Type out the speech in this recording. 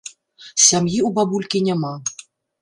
Сям'і ў бабулькі няма.